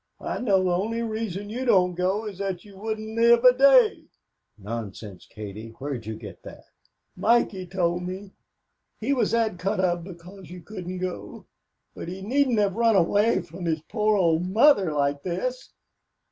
I know the only reason you don't go is that you wouldn't live a day." "Nonsense, Katie. Where'd you get that?" "Mikey told me. He was that cut up because you couldn't go, but he needn't have run away from his poor old mother like this.